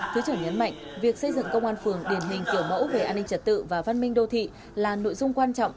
thứ trưởng nhấn mạnh việc xây dựng công an phường điển hình kiểu mẫu về an ninh trật tự và văn minh đô thị là nội dung quan trọng